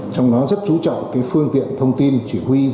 trong đó rất chú trọng phương tiện thông tin chỉ huy